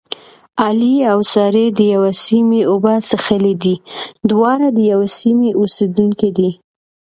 علي او سارې دیوې سیمې اوبه څښلې دي. دواړه د یوې سیمې اوسېدونکي دي.